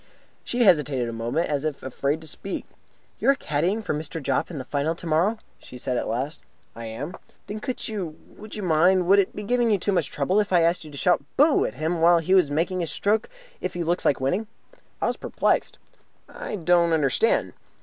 She hesitated a moment, as if afraid to speak. "You are caddying for Mr. Jopp in the Final tomorrow?" she said at last. "I am." "Then could you would you mind would it be giving you too much trouble if I asked you to shout 'Boo!' at him when he is making his stroke, if he looks like winning?" I was perplexed. "I don't understand."